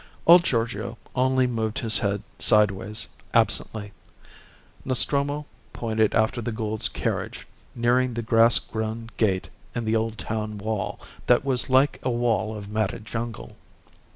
Old Giorgio only moved his head sideways absently. Nostromo pointed after the Goulds' carriage, nearing the grass grown gate in the old town wall that was like a wall of matted jungle.